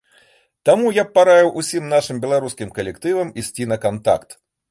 Таму я б параіў усім нашым беларускім калектывам ісці на кантакт.